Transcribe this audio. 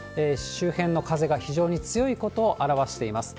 周辺の風が非常に強いことを表しています。